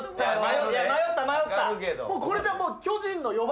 これじゃもう。